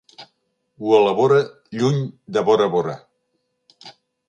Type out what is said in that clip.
Ho elabora lluny de Bora Bora.